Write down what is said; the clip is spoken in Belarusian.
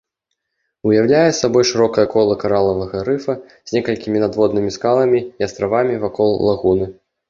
Уяўляе сабою шырокае кола каралавага рыфа з некалькімі надводнымі скаламі і астравамі вакол лагуны.